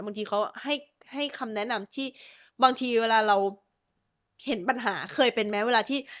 บางทีเขาให้คำแนะนำที่บางทีเวลาเราเห็นปัญหาเคยเป็นไหมเวลาที่